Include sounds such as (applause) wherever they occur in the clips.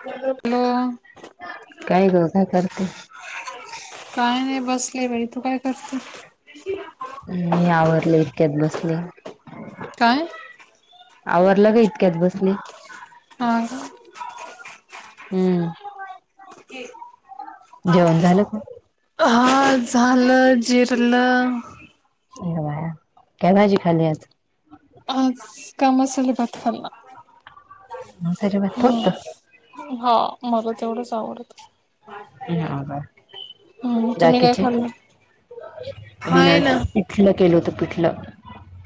काय हॅलो गं काय करते? काय नाही बसले बाई, तू काय करते? तु शिरा खा. मी आवरले, इतक्यात बसले. काय? आवरलं का इतक्यात बसले. आ. हम्म्. घे. जेवण झालं का? हा झालं, जिरलं. ए, भाया काय भाजी खाली आज? आज का मसाले भात खाल्ला. मांसाहारी भात फक्त हम्म्. हा, मला तेवढंच आवडतं. हा आगार, हम्म तुम्ही काय दाकीचे खाल्लं हाय मीनाज ना पिठलं, केलं होतं पिठलं.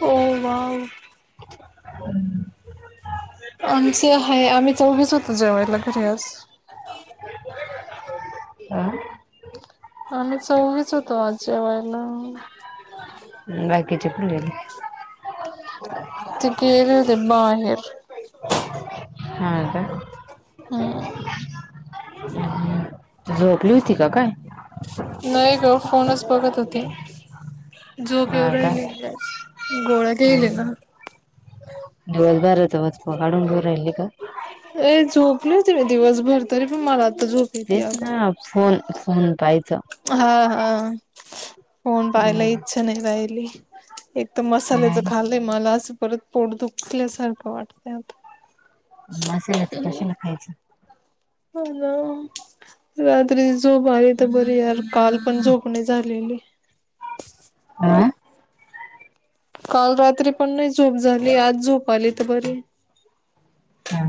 ओ वाव! (unintelligible) आमचे आहे. आम्ही चौघेच होतो, जेवायला घरी आज. आं? आम्ही चौघी च होतो, आज जेवायला. बाकीचे कुठं गेले? ते गेले होते बाहेर. हा का? आई आजी तु झोपली होती का काय? नाही गं, फोनच बघत होते. झोप हा येवू का राहिलेली आज, गोळा घ्यायले ना. दिवसभराचा वचपा, काढून घेवू राहीली का? ए झोपली होती मी, दिवसभर तरी पण मला आता झोप येती तेच अगं, ना फोन फोन पाहायचं हा हा हा. फोन पाहायला इच्छा नाही राहिली, एक तर मसाल्याचं नाही खाल्लं ते मला असं परत, पोट दुखल्यासारखं वाटतय आता. मसाल्याचं कशाला खायचं? हो, ना. रात्रीची झोप आली तर बरी यार. काल पण झोप नाही झालेली. आ? काल रात्री पण नाही झोप झाली, आज झोप आली तर बरी आहे. हा,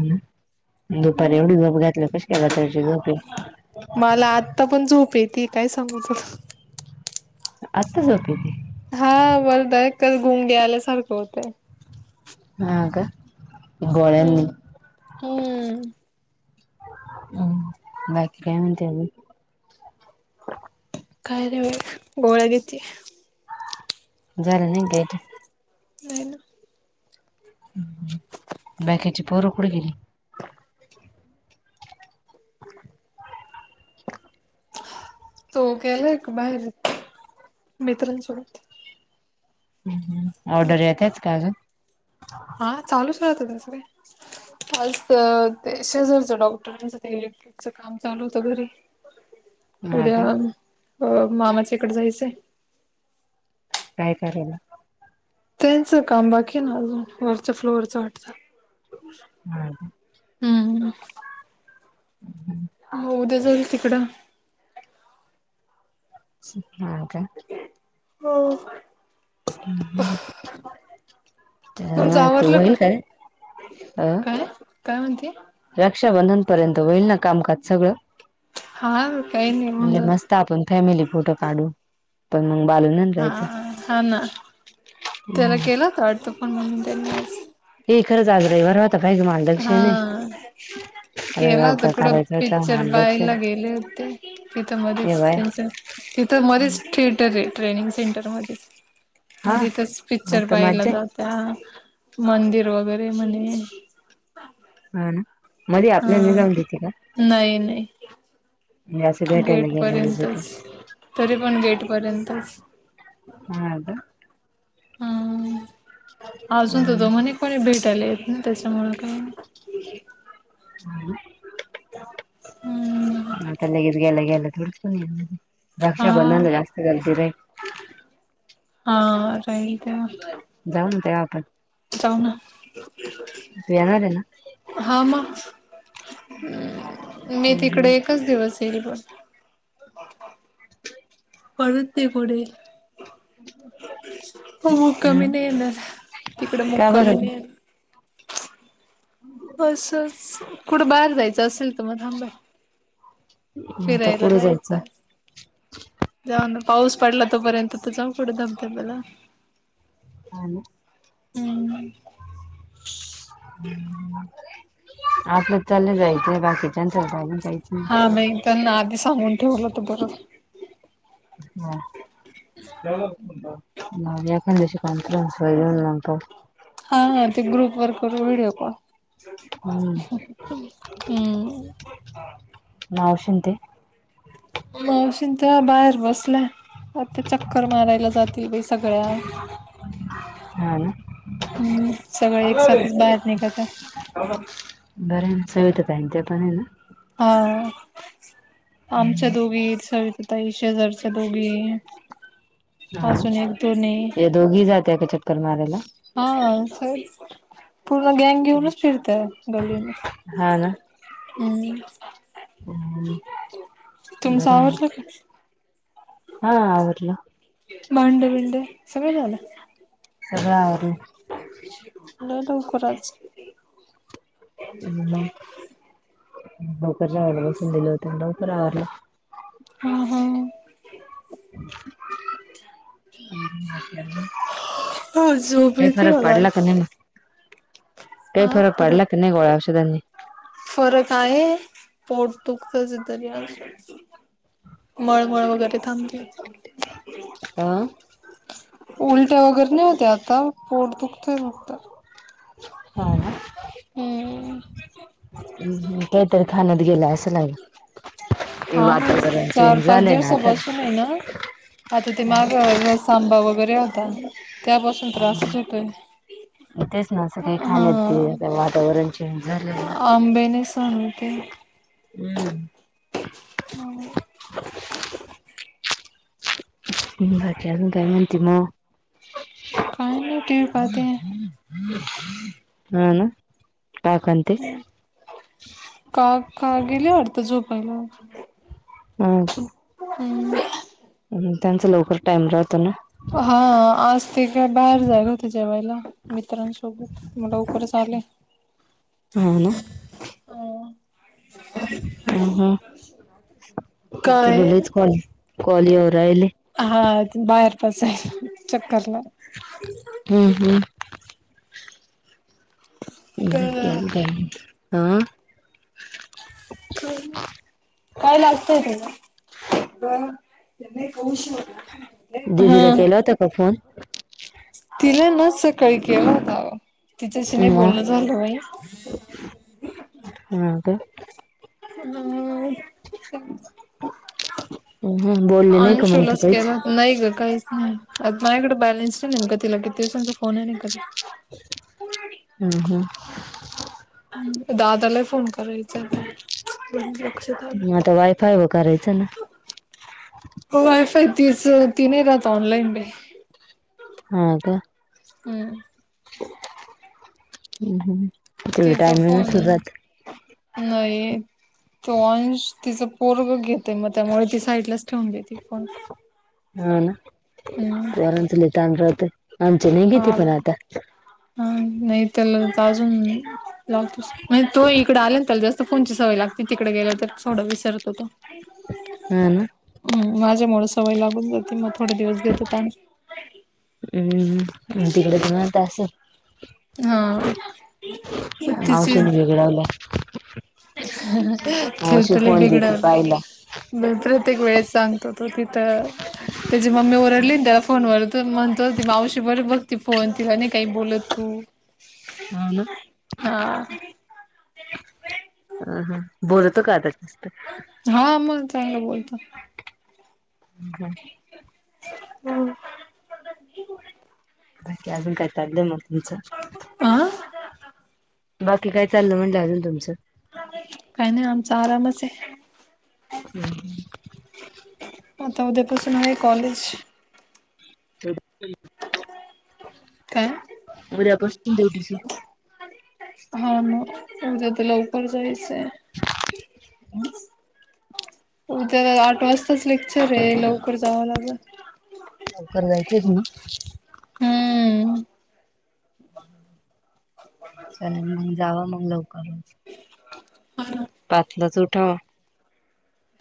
दुपारी एवढी झोप घातल्यावर कशी काय रात्रीची झोप यईल? मला आत्ता पण झोप येते, काय सांगू तुला. आता झोप येती? हा वरड एक कसं गुंगी आल्यासारखं होतं. हा का गोळ्यांनी हम्म हम्म बाकी काय म्हणते अजुन? काय नाय बाई गोळ्या घेते. झालं नाही गेट? नई ना. बाकीचे, पोरं कुठं गेली. (inaudible) तो गेलाय का बाहेर, मित्रांसोबत. ऑर्डर येतायं चं का गं? हा चालूचं राहतं तसं काय? आज तर ते शेजारच्या डॉक्टरांच ते इलेक्ट्रिकच, काम चालू होत घरी. (inaudible) उद्या अ- मामाच्या इकडं जायचंय. काय करायला? त्यांच काम बाकी ना अजून वरच्या फ्लोअरचं वाटतं हा का. हम् ह ह हो, उद्या जाईल तिकडं. हा का. हो. हम्म हम्म, तुमचं (inaudible) आवरलं का होय काय. काय काय म्हणते रक्षाबंधन पर्यंत, होईल ना कामकाज सगळं. हा. काही नाही होऊन म्हणजे जात मस्त आपण फॅमिली, फोटो काडू. पण मग बालू नाही हा राहाचं. हा ना त्याला केलं का वाटत, पण म्हणून त्यांनी आज ए खरंच आज रविवार होता, पाह गं मामी. हा. केला रविवारच होता कुठं करायचं होतं हा पिच्चर, लक्ष पाहायला गेले होते. तिथं मध्येच ठेवाय त्यांच, तिथं मध्येच थिएटर हे. ट्रेनिंग सेंटर मध्ये, हा मग तिथंच मग पिच्चर तर पाहायला मज्जा जातो. त्या, मंदिर वगैरे म्हणे. हा ना, मध्ये आपल्याना नय जाऊ देते का? नई-नई. म्हणजे असं भेटायला गेट गेल्या वगैरे पर्यंतच, तरी पण गेट पर्यंतच. हा का. हा. अजूनत तो म्हणे कोणी भेटायला येत नाही, त्याच्यामुळं काय छान हे हम्म, मग तर लगेच, गेल्या-गेल्या थोडीचं कोणी येईल रक्षाबंधन ला जास्त गर्दी राहील. हं. जाईल तेव्हा. जाऊना तेव्हा आपण जाऊ, ना. तू येणार आहे ना हा मग, मी तिकडे हम्म एकच दिवस येईल ब. पळेल ते पुढे. हो मुक्कामी नाही येणार, तिकडं का मुक्कामी बरं नाही येत (inaudible) असंच. कुठं बाहेर जायचं असेल, तर मग थांबा. आता फिरायला कुठं जायचं. जाऊ ना पाऊस पडला तोपर्यंत तर जाऊ कुठं धबधब्याला. हा ना. हम्म.. आपलं चालेल आहे, बाकींच्यासारखंच काहीच नाही हा म त्यांना आधी सांगून ठेवलं त बर हा. एखाशी कॉन्फरन्स येऊन लागतात हा हा ते ग्रुप वर करून व्हिडिओ कॉल. हम्म हम्म.. मावशी न ते. मावशींच्या बाहेर बसल्या आता ते चक्कर मारायला जात ती बी सगळ्या हा ना हम्म, सगळें एक साथच बाहेर निघता. बर हे ना सविता ताईनं ते पण हे ना हो. आमच्या दोघी, सविता ताई, शेजारच्या दोघी हा. अजून एक दोने या दोघी जात्या का चक्कर मारायला. हा स पूर्ण गँग घेऊनच फिरते गल्लीने हा ना हम्. बरं तुमच आहे ना आवरलं का? हा आवरलं. भांड बिंडे सगळे झालं? सगळ आवरल. लय लवकर आज? (inaudible) लवकर आवरलं हा हा.. (inaudible) हो झोप का येते फरक मला पडला का आज नाही म? काही फरक पडला की नाही गोळ्या औषधांनी? फरक आहे पोट दुखतच अजून. मळमळ वगैरे थांबतेे.. अ उलट्या वगैरे नाही होत्या आता पोट दुखत फक्त. हा का. हम्म हम काहीतरी खाण्यात गेलं असलं अगं. काय माहित चार चेंज पाच झाले ना दिवसापासून आहे ना आता ते माघ रस आंबा वगैरे होतात त्यापासून आता त्रासच होतोय. तेच ना असं काही खाण्यात हा ते वातावरण चेंज झालं ना. ते हम्म.. हम्.. बोल बाकी अजून काय म्हणती मग? काय म टीव्ही पाहते आहे. (inaudible) हा ना टाकांत. का क्का गेले वाटतं झोपायला? हम्म. हुंम्म. त्यांचा लवकर टाइम राहतो ना. पहां आज. ते काय बाहेर जाएल होते जेवायला मित्रांसोबत म लवकरच आले. हम्म हम्म. अ हम हम काय रुदाईच कॉल कॉल येऊ राहिले. हा तिले बाहेर पावसाडल चक्करला. हुं हुं. (unintelligible) अ. काय मग? काय लागतय त्याला? बर. त्यांनाही हौस. दिदीला केला होता का फोन? तिला ना सकाळी केला होता आहो, तिच्याशी नाही बोललं झालं नाही. (inaudible) हुं त. उम्म हम्म बोलली नाही का मग तू आंशुलाच काहीच केला. नाही ग काहीच नाही. आता माझ्याकडें बॅलेन्स नाही नेमका तिला किती दिवसांचा फोनही काही करीत. हम् हम्. दादालाही फोन करायचा. लक्षात आलं. म आता वायफाय व करायचा ना. वो वायफाय तीच ती नाही राहत ऑनलाईन बे. हम्म का. हम्म. हुं हुं फुल टाइम नसल जात. नईये. तो अंश तिचं पोरग घेतय मग त्यामुळे ती साईडलाच ठेवून घेते. हो ना हम्म पोरांचा लई ताण राहतंय आमची लय घेते हा पण बाई आता. हा नाही त्याला अजून लावतोस म्हणजे तो इकड आला ना त्याला जास्त. तो फोनची सवय लागते तिकडे गेलं तर थोडं विसरतो तो. हा ना हम् माझ्यामुळे सवय लागून जाते मग थोडे दिवस घेत होतो आम्ही. हम्म तिकडे निवांत असाल.. हां तिची लावल्या. ह हा हं तो मावशी तर लई फोन बिघडवला. देते पाहिला मग प्रत्येक वेळेस सांगतो तो तिथं. त्याची मम्मी ओरडली ना त्याला फोनवर तर म्हणतो ती मावशी बरी बघती फोन तिला आणि काही बोलत तू. हा ना. हा हुं हुं. बोलतो का आताही? हा मग चांगल बोलतो. हम्म. हुं हुं बाकी अजून काय चाललंय मग तुमचं? अह, बाकी काय चाललं म्हटलं अजून तुमचं? काही नाही आमचा आरामच ये. ह्म्म, आता उद्यापासून आहे कॉलेज. काय? उद्यापासून दिवटी सुरु. होव ना, उद्या तर लवकर जायचंय. अंम, उद्या आठ वाजताच लेक्चर ये, लवकर जावं लागल. लवकर जायचंच तुना? हम्म. चलेलं मग, जावा मग लवकर. हा. पाचलाच उठावा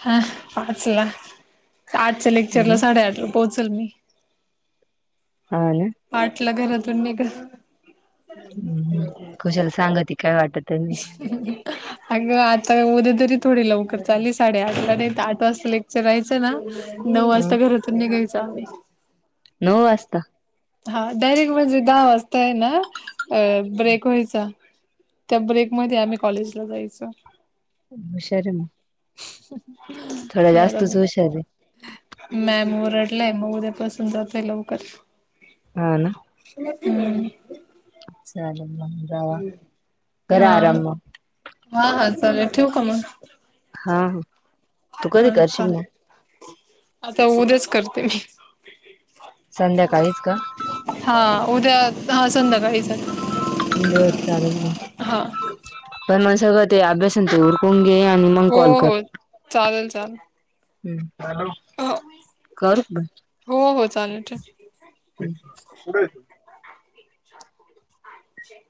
हा पाचला, आठच्या लेक्चर ला साडेआठ ला पोहोचल मी. हा, ना. आठला घरातून निघंल. हम्, हम्म कुशाला सांगती, काय वाटत नाही. (inaudible) अगं आता उद्या तरी थोडी लवकर चाली, साडेआठला नाही तर आठ वाजता लेक्चर राहायचं ना नऊ वाजता घरातून निघायचो आम्ही. नऊ वाजता? हा डायरेक्ट म्हणजे दहा वाजता आहे ना, अ ब्रेक व्हायचा. त्या ब्रेकमध्ये आम्ही कॉलेजला जायचो. हुशार ये म. स (inaudible) थोडया जास्तच हुशार ये. मॅम ओरडलाय मग उद्या पसून जातोय लवकर. हा ना. हम्, चालेल मग जावा, हा करा आराम म. हा, हा चालेल ठेवु का मग? हा ह, हा चालं, आता उद्याच करते मी. संध्याकाळीच का? हा उद्या हा संध्याकाळीच आहे. बरं चालेल म पण मग सगळं ते अभ्यासन ते उरकून घे आञि मंग हो कॉल कर, हो चालेल चालेल हम्म, हॅलो कर हो हो चालेल (unintelligible) ठेव कुडयं तु? अ (inaudible)